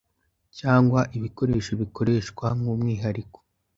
cyangwa ibikoresho bikoreshwa nk’umwihariko